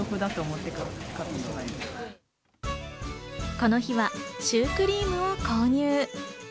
この日はシュークリームを購入。